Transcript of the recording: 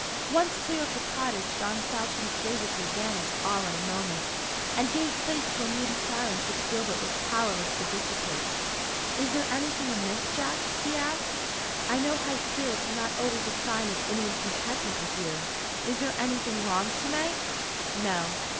Once clear of the cottage, John Saltram's gaiety vanished all in a moment, and gave place to a moody silence which Gilbert was powerless to dissipate. "Is there anything amiss, Jack?" he asked. "I know high spirits are not always a sign of inward contentment with you. Is there anything wrong to night?" "No."